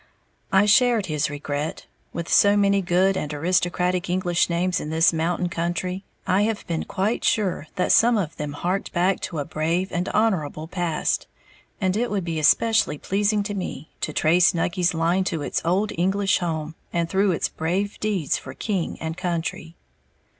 I shared his regret, with so many good and aristocratic English names in this mountain country, I have been quite sure that some of them harked back to a brave and honorable past, and it would be especially pleasing to me to trace Nucky's line to its old English home, and through its brave deeds for king and country.